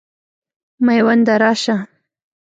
مېونده راسه.